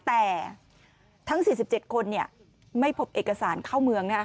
แต่ทั้ง๔๗คนไม่พบเอกสารเข้าเมือง